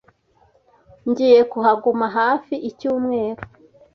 Ngiye kuhaguma hafi icyumweru.